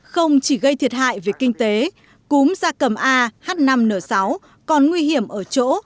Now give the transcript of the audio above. không chỉ gây thiệt hại về kinh tế cúm gia cầm ah năm n sáu còn nguy hiểm ở chỗ